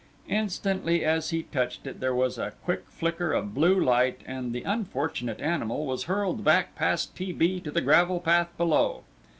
Instantly as he touched it there was a quick flicker of blue light, and the unfortunate animal was hurled back past T. B. to the gravel path below.